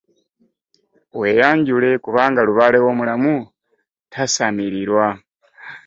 Weeyanjule kubanga lubaale w'omulamu tasamirirwa.